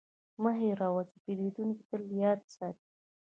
مه هېروه چې پیرودونکی تل یاد ساتي.